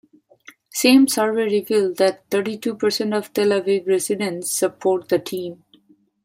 Same survey revealed that thirty-two percent of Tel Aviv residents support the team.